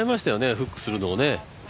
フックするのを。